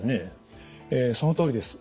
そのとおりです。